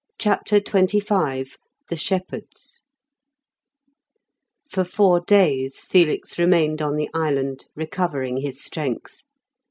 CHAPTER XXV THE SHEPHERDS For four days Felix remained on the island recovering his strength.